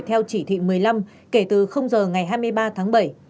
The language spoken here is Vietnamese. theo chỉ thị một mươi năm kể từ giờ ngày hai mươi ba tháng bảy